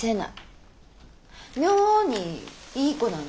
妙にいい子なの。